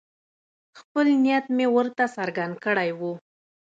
خپل نیت مې درته څرګند کړی وو.